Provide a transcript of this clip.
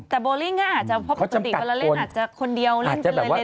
แต่โบลิ่งก็อาจจะเพราะปกติเวลาเล่นอาจจะคนเดียวเล่นกันเลย